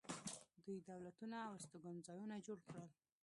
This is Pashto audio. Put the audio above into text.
دوی دولتونه او استوګنځایونه جوړ کړل.